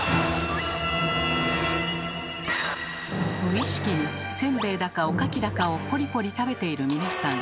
⁉無意識にせんべいだかおかきだかをポリポリ食べている皆さん。